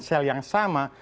sel yang sama